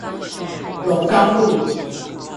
龍岡路